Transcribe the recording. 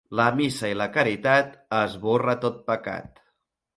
La missa i la caritat esborra tot pecat.